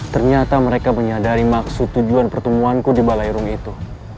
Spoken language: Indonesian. ternyata mereka menyadari maksud tujuan pertemuanku di balairung itu